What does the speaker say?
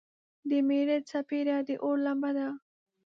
د میرې څپیړه د اور لمبه ده.